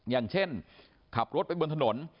อย่างเช่นขับรถไปบนถนน